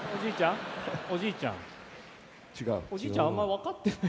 おじいちゃんあんまり分かってない。